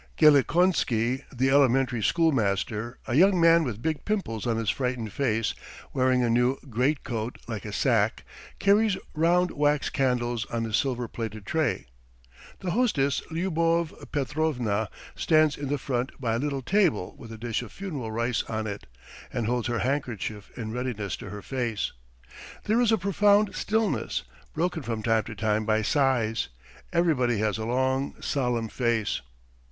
Gelikonsky, the elementary schoolmaster, a young man with big pimples on his frightened face, wearing a new greatcoat like a sack, carries round wax candles on a silver plated tray. The hostess, Lyubov Petrovna, stands in the front by a little table with a dish of funeral rice on it, and holds her handkerchief in readiness to her face. There is a profound stillness, broken from time to time by sighs. Everybody has a long, solemn face.